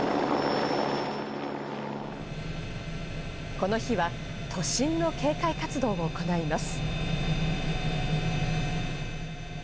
この日は都心の警戒活動を行います。